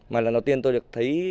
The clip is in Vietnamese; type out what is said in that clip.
mà lần đầu tiên tôi được thấy